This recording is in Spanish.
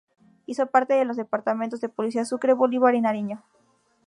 Hizo parte de los departamentos de Policía Sucre, Bolívar y Nariño.